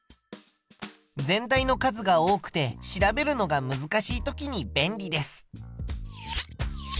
全体の数が多くて調べるのが難しい時に便利です。